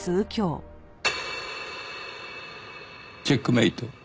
チェックメイト。